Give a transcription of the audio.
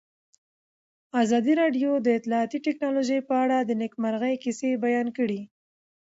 ازادي راډیو د اطلاعاتی تکنالوژي په اړه د نېکمرغۍ کیسې بیان کړې.